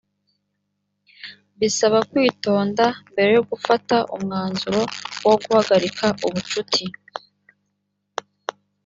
bisaba kwitonda mbere yo gufata umwanzuro wo guhagarika ubucuti